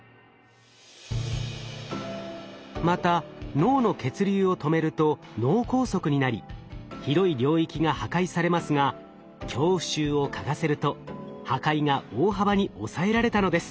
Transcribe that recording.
また脳の血流を止めると脳梗塞になり広い領域が破壊されますが恐怖臭を嗅がせると破壊が大幅に抑えられたのです。